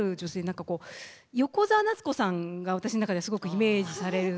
何かこう横澤夏子さんが私の中ですごくイメージされる。